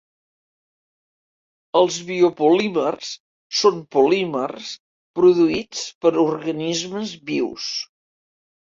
Els biopolímers són polímers produïts per organismes vius.